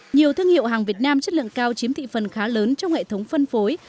nhiều thương hiệu hàng việt nam chất lượng cao chiếm thị phần khá lớn trong hệ thống phân phối